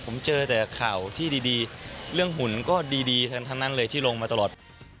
ผมเจอแต่ข่าวที่ดีเรื่องหุ่นก็ดีทั้งนั้นเลยที่ลงมาตลอด